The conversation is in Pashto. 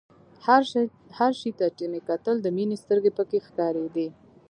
هر شي ته چې مې کتل د مينې سترګې پکښې ښکارېدې.